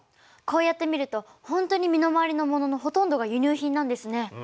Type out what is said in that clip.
こうやって見るとほんとに身の回りのもののほとんどが輸入品なんですね。